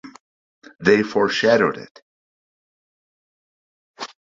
They foreshadowed it.